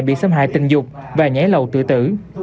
bị xâm hại tình dục và nhảy lầu tự tử